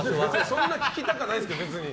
そんな聞きたくないですけど。